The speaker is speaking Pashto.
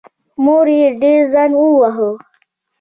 مور یې ډېر ځان وواهه.